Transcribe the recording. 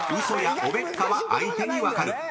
「嘘やおべっかは相手に分かる」］